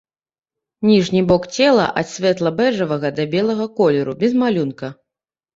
Ніжні бок цела ад светла-бэжавага да белага колеру, без малюнка.